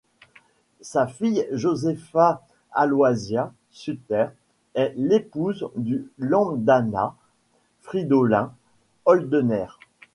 Sa fille Josefa Aloisia Suter est l'épouse du landamman Fridolin Holdener.